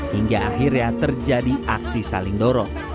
hingga akhirnya terjadi aksi saling dorong